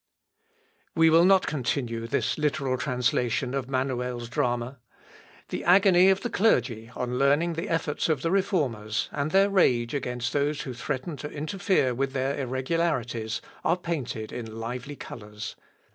We will not continue this literal translation of Manuel's drama. The agony of the clergy on learning the efforts of the Reformers, and their rage against those who threaten to interfere with their irregularities, are painted in lively colours.